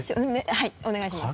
はいお願いします。